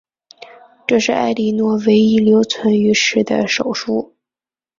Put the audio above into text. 这是埃莉诺唯一留存于世的手书。